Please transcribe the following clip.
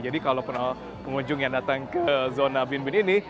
jadi kalau penuh pengunjung yang datang ke zona binbin ini